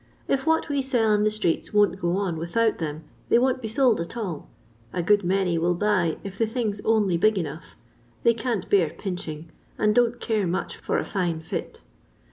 If what we sell in the streets won't go on without them they won't be sold at all. A good many will buy if the thing's only big enough— 'they can't bcnr pmching, and don't much care for a fine fit.